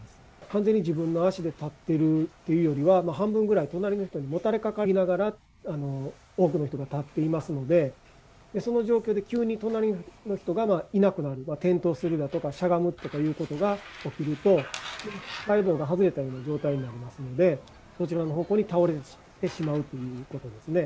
完全に自分の足で立ってるというよりは、半分ぐらい隣の人にもたれかかりながら、多くの人が立っていますので、その状況で急に隣の人がいなくなる、転倒するだとか、しゃがむとかいうことが起きると、つっかえ棒が外れたような状態になりますので、そちらの方向に倒れてしまうということですね。